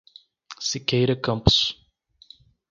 Siqueira Campos